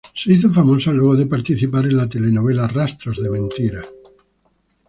Se hizo famosa luego de participar en la telenovela "Rastros de mentiras".